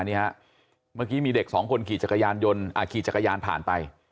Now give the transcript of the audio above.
เมื่อกี้มีเด็กสองคนขี่จักรยานยนต์ขี่จักรยานผ่านไป